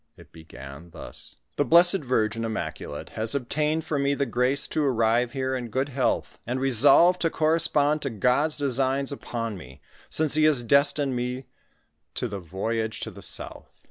It began thus :—" The Blessed Virgin Immaculate has obtained for me the grace to arrive here in good health, and resolved to corre spond to God's designs upon me, since he has destined me to the voyage to the south.